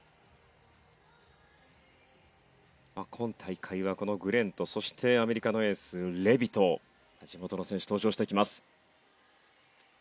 今大会はこのグレンとそしてアメリカのエースレビト地元の選手登場してきます。